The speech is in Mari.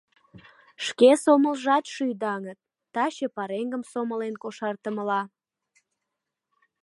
Шке сомылжат шӱй даҥыт: таче пареҥгым сомылен кошартымыла.